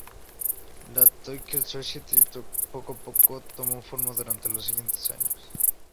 La" Tolkien Society" poco a poco tomó forma durante los siguientes años.